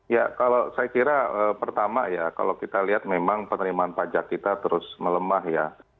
ya kalau saya kira pertama ya kalau kita lihat memang penerimaan pajak kita terus melemah ya